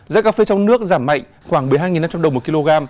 giá cà phê trong nước giảm mạnh khoảng một mươi hai năm trăm linh đồng một kg